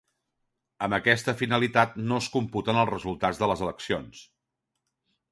Amb aquesta finalitat no es computen els resultats de les eleccions.